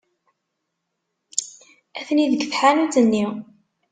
Atni deg tḥanut-nni.